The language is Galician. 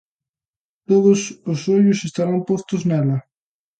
Todos os ollos estarán postos nela.